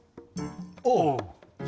おう。